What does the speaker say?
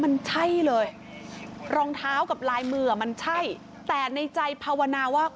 มันใช่เลยรองเท้ากับลายมือมันใช่แต่ในใจภาวนาว่า